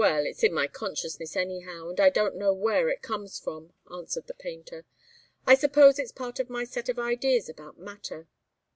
"Well it's in my consciousness, anyhow, and I don't know where it comes from," answered the painter. "I suppose it's part of my set of ideas about matter."